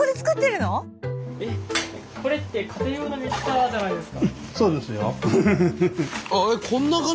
これって家庭用のミキサーじゃないですか？